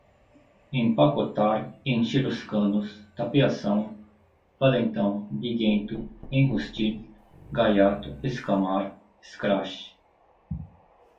empacotar, encher os canos, tapeação, valentão, briguento, enrustir, gaiato, escamar, escrache